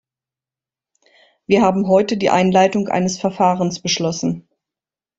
Wir haben heute die Einleitung eines Verfahrens beschlossen.